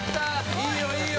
いいよいいよ。